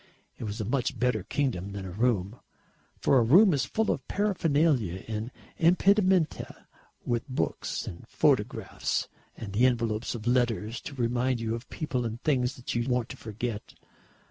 It was a much better kingdom than a room; for a room is full of paraphernalia and impedimenta, with books and photographs, and the envelopes of letters to remind you of people and things that you want to forget.